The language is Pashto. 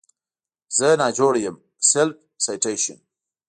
زه ناجوړه یم Self Citation